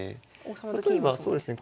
例えばそうですね